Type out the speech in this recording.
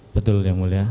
betul yang mulia